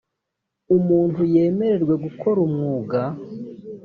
umuntu yemererwe gukora umwuga